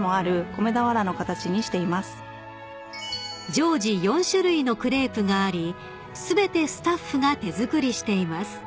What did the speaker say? ［常時４種類のクレープがあり全てスタッフが手作りしています］